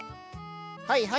はいはい。